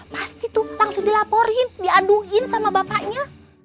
pasti tuh langsung dilaporin diaduin sama bapaknya